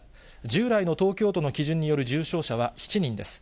従来の東京都の基準による重症者は７人です。